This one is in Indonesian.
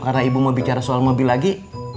karena ibu mau bicara soal mobil lagi